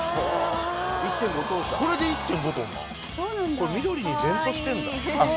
これ緑に全塗してんだ。